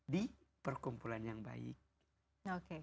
di perkumpulan yang baik